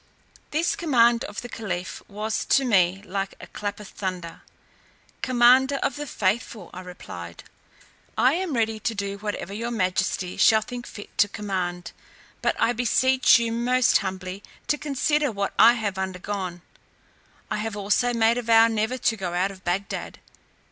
This command of the caliph was to me like a clap of thunder. "Commander of the faithful," I replied, "I am ready to do whatever your majesty shall think fit to command; but I beseech you most humbly to consider what I have undergone. I have also made a vow never to go out of Bagdad."